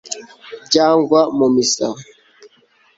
cyangwa mu misa